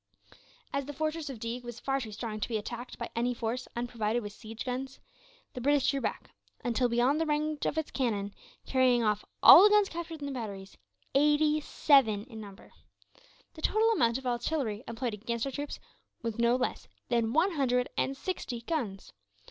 As the fortress of Deeg was far too strong to be attacked by any force unprovided with siege guns, the British drew back, until beyond the range of its cannon; carrying off all the guns captured in the batteries, eighty seven in number. The total amount of artillery employed against our troops was no less than one hundred and sixty guns.